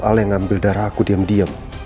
al yang ngambil darah aku diam diam